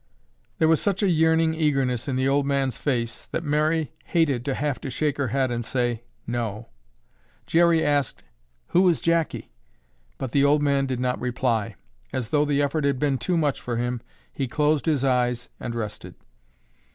There was such a yearning eagerness in the old man's face that Mary hated to have to shake her head and say, "No." Jerry asked, "Who is Jackie?" But the old man did not reply. As though the effort had been too much for him, he closed his eyes and rested.